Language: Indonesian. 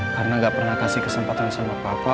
karena gak pernah kasih kesempatan sama papa